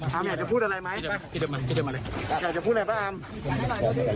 เสียใจเนอะ